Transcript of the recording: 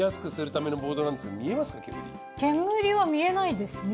煙は見えないですね。